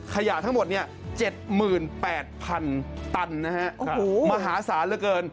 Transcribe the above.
ขยะทั้งหมด๗๘๐๐๐ตันนะฮะมหาศาลเหลือเกิน